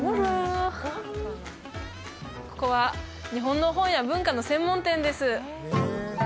ここは日本の本や文化の専門店です